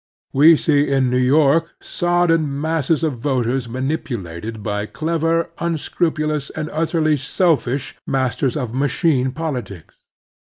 We see in New York sodden masses of voters manipu lated by clever, unscrupulous, and utterly selfish masters of machine politics.